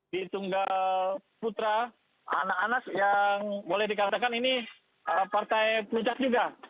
di tunggal putra anak anak yang boleh dikatakan ini partai puncak juga